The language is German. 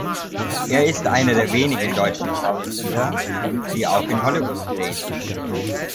Er ist einer der wenigen deutschen Schauspieler, die auch in Hollywood drehen.